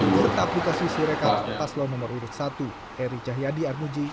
berkabutasi sisi rekap paslo nomor satu eri cahyadi armuji